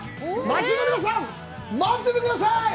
町の皆さん、待っててください！